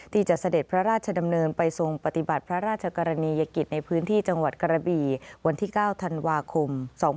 เสด็จพระราชดำเนินไปทรงปฏิบัติพระราชกรณียกิจในพื้นที่จังหวัดกระบี่วันที่๙ธันวาคม๒๕๖๒